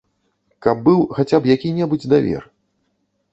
Каб быў хаця б які-небудзь давер.